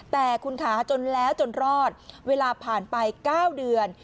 แต่คุณคะจนแล้วจนรอดเวลาผ่านไป๙เดือน